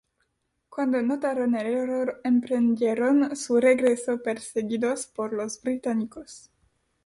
Cuando notaron el error emprendieron su regreso perseguidos por los británicos.